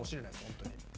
本当に。